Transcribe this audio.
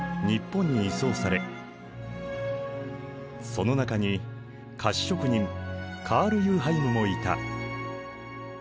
その中に菓子職人カール・ユーハイムもいた。